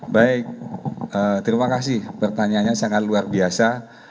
baik terima kasih pertanyaannya sangat luar biasa